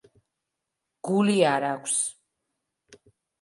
გული არ აქვს.